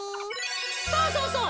そうそうそう。